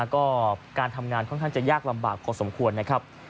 ก็การทำงานค่อนข้างจะยากลำบากพอสมควรนะครับ